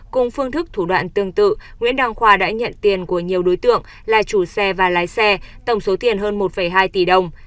cùng phương thức thủ đoạn tương tự nguyễn đăng khoa đã nhận tiền của nhiều đối tượng là chủ xe và lái xe tổng số tiền hơn một hai tỷ đồng